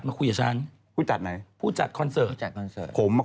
แต่ก็ก็อยากจะบอกทุกคนว่า